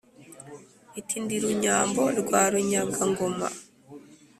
iti : ndi runyambo rwa runyaga-ngoma,